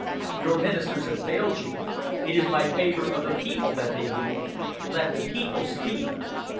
Your ministers have failed you! It is by favor of the people that they rule! Let the people speak!"